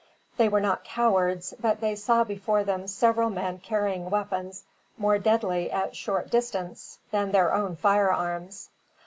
They were not cowards, but they saw before them several men carrying weapons more deadly at short distance than their own fire arms.